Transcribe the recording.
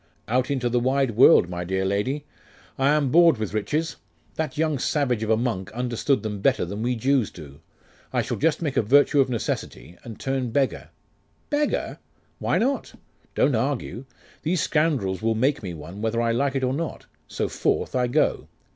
'Out into the wide world, my dear lady. I am bored with riches. That young savage of a monk understood them better than we Jews do. I shall just make a virtue of necessity, and turn beggar.' 'Beggar?' 'Why not? Don't argue. These scoundrels will make me one, whether I like or not; so forth I go.